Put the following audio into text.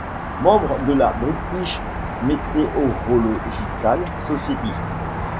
Membre de la British Meteorological Society.